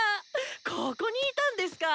ここにいたんですか。